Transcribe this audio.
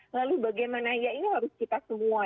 lalu bagaimana ya ini harus kita semua